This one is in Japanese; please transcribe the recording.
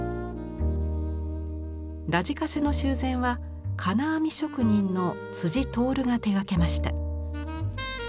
ラジカセの修繕は金網職人の徹が手がけました。